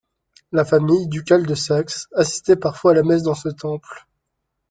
La famille ducale de Saxe assistait parfois à la messe dans ce temple.